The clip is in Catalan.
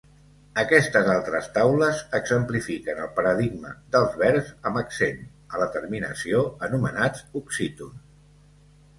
Aquestes altres taules exemplifiquen el paradigma dels verbs amb accent a la terminació, anomenats oxítons.